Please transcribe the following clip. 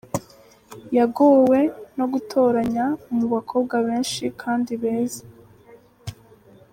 Yagowe no gutoranya mu bakobwa benshi kandi beza.